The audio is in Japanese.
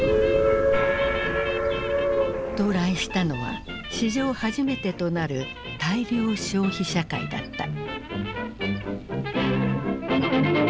到来したのは史上初めてとなる大量消費社会だった。